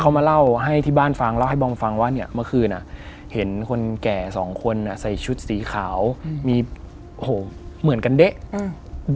แก่สองคนน่ะใส่ชุดสีขาวมีโหเหมือนกันเด๊ะอืม